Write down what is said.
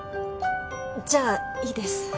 じゃあいいです。